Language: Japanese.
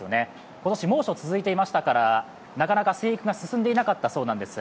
今年、猛暑がつづてい真下からなかなか生育が続いていなかったそうです。